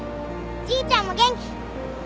じいちゃんも元気！